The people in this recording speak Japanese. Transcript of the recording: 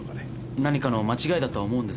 何かの間違いだとは思うんですが。